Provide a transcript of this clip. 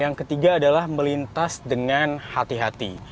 yang ketiga adalah melintas dengan hati hati